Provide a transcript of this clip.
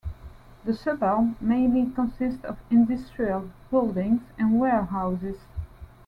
The suburb mainly consists of industrial buildings and warehouses.